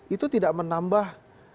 itu tidak menambah